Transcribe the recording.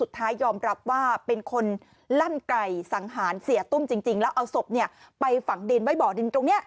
สุดท้ายยอมรับว่าเป็นคนลั่นไก่สังหารเสียตุ้มจริงแล้วเอาศพเนี่ยไปฝังดินไว้บ่อดินตรงนี้